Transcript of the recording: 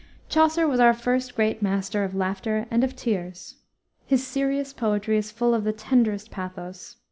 Chaucer was our first great master of laughter and of tears. His serious poetry is full of the tenderest pathos.